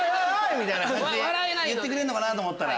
みたいに言ってくれるかと思ったら。